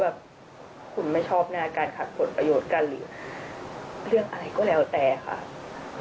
แบบคุณไม่ชอบหน้าการขัดผลประโยชน์กันหรือเรื่องอะไรก็แล้วแต่ค่ะ